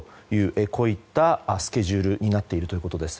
こういったスケジュールになっているということです。